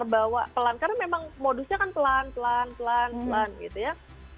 bawa pelan karena memang modusnya kan pelan pelan pelan pelan gitu ya